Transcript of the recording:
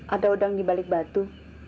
ada udang dibalik batu